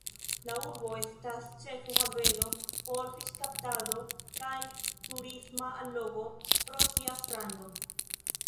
La urbo estas ĉefe haveno por fiŝkaptado kaj turisma allogo pro sia strando.